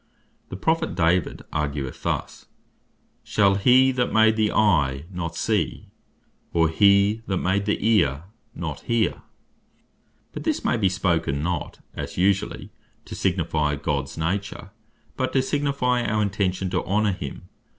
The Prophet David argueth thus, "Shall he that made the eye, not see? or he that made the ear, not hear?" But this may be spoken, not (as usually) to signifie Gods nature, but to signifie our intention to honor him.